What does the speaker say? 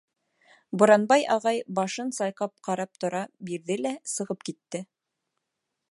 Буранбай ағай башын сайҡап ҡарап тора бирҙе лә сығып китте.